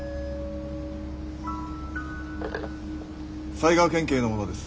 埼川県警の者です。